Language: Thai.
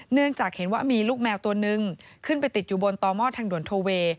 เนื่องจากเห็นว่ามีลูกแมวตัวนึงขึ้นไปติดอยู่บนต่อหม้อทางด่วนโทเวย์